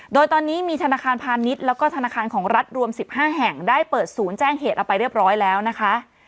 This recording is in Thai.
โดยตอนนี้มีธนาคารพาณิชย์แล้วก็ธนาคารของรัฐรวม๑๕แห่งได้เปิดศูนย์แจ้งเหตุเอาไปเรียบร้อยแล้วนะคะ